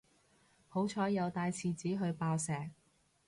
好彩有帶廁紙去爆石